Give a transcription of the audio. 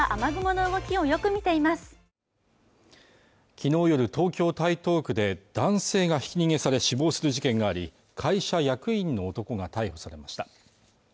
昨日夜東京台東区で男性がひき逃げされ死亡する事件があり会社役員の男が逮捕されました